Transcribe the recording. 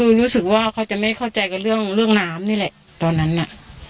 ไม่เข้าใจกับเรื่องน้ำนี่แหละตอนนั้นน่ะ